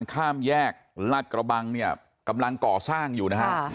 ข้ามแยกลาดกระบังเนี่ยกำลังก่อสร้างอยู่นะฮะ